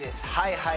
はい